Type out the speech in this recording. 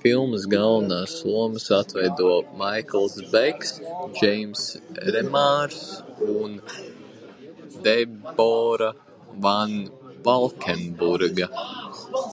Filmā galvenās lomas atveido Maikls Beks, Džeimss Remārs un Debora Van Valkenburga.